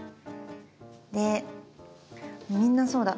でみんなそうだ。